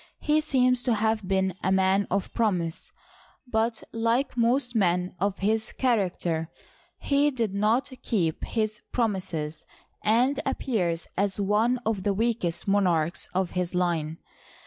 He seems to have been a man of promise," but, like most men of his character, he did not keep his promises, and appears as one of the weakest monarchs of his line.